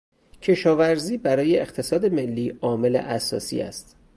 کشاورزی برای اقتصاد ملی عامل اساسی است.